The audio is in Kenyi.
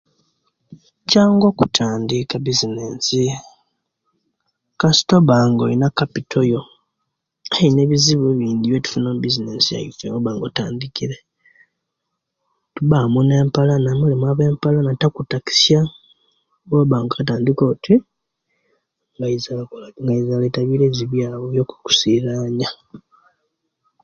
Kyangu okutandika ebisinesi kasita obanga olina kapito yo aye nebizubu ebindi ebyetufuna mubisines yaife owobanga otandkire tubamu nempalana walimu owempalana takutakisia oba nga otandika oti nga aiza okola kuleta birezi bye awo ebyokusilanya